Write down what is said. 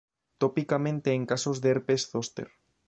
Tópicamente en casos de herpes zóster.